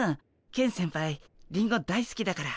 ケン先輩リンゴ大すきだから。